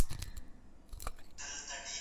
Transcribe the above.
لیکلو هم ورته ستونزه جوړوله.